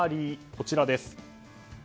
こちらです。